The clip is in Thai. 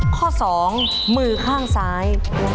ข้อ๒มือข้างซ้าย